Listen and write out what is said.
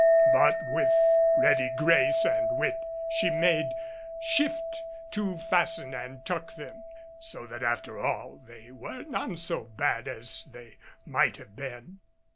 But with ready grace and wit she made shift to fasten and tuck them, so that after all they were none so bad as they might have been.